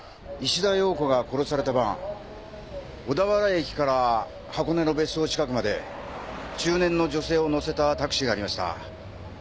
石田洋子が殺された晩小田原駅から箱根の別荘近くまで中年の女性をのせたタクシーがありました。